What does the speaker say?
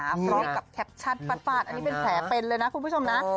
พร้อมกับแคปชั่นฟาดอันนี้เป็นแผลเป็นเลยนะคุณผู้ชมนะ